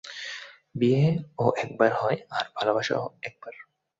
বিয়েও একবার হয় আর ভালোবাসা ও একবার।